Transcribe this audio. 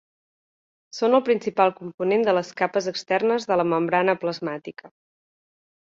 Són el principal component de les capes externes de la membrana plasmàtica.